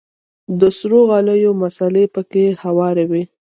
د سرو غاليو مصلې پکښې هوارې وې.